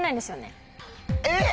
えっ！